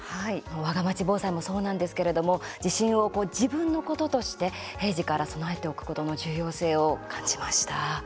わがまち防災もそうなんですけれども地震を自分のこととして平時から備えておくことの重要性を感じました。